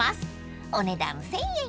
［お値段１，０００円］